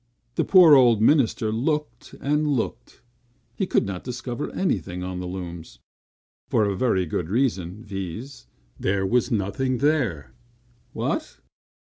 The poor old minister looked and looked, he could not discover anything on the looms, for a very good reason, viz: there was nothing there. "What!"